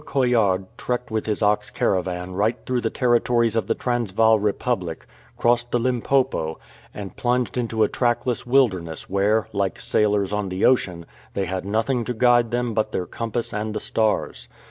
Coillard trekked with his ox caravan right through the territories of the Transvaal Republic, crossed the Limpopo, and plunged into a trackless wilderness where, like sailors on the ocean, they had nothing to guide them but their compass and the stars.